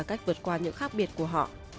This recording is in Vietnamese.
và cách vượt qua những khác biệt của họ